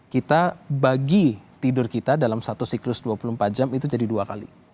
kita bagi tidur kita dalam satu siklus dua puluh empat jam itu jadi dua kali